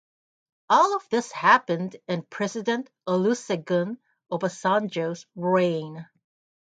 All of this happened in president Olusegun Obasanjo's reign.